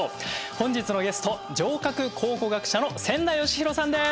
本日のゲスト城郭考古学者の千田嘉博さんです！